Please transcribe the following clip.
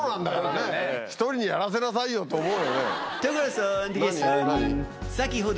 １人にやらせなさいよと思うよね。